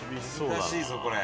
難しいぞこれ。